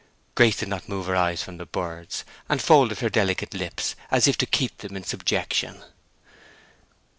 Grace did not move her eyes from the birds, and folded her delicate lips as if to keep them in subjection.